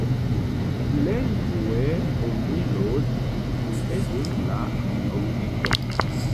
Plej frue oni loĝis tie dum la neolitiko.